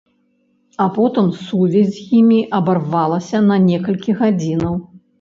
А потым сувязь з імі абарвалася на некалькі гадзінаў.